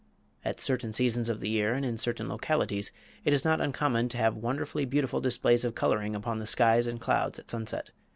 At certain seasons of the year and in certain localities it is not uncommon to have wonderfully beautiful displays of coloring upon the skies and clouds at sunset.